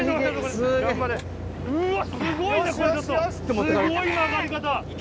すごい曲がり方。